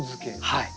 はい。